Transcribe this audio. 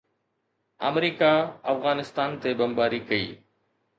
آمريڪا افغانستان تي بمباري ڪئي.